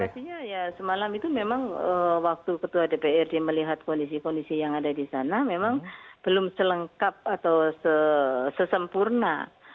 artinya ya semalam itu memang waktu ketua dprd melihat kondisi kondisi yang ada di sana memang belum selengkap atau sesempurna